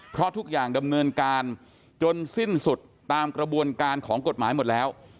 เพราะทุกอย่างดำเนินการจนสิ้นสุดตามกระบวนการของกฎหมายหมดแล้ว